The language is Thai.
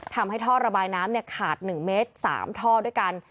ทำให้ท่อระบายน้ำขาด๑เมตร๓ท่อด้วยกัน